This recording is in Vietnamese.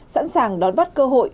sẵn sàng đón bắt cơ hội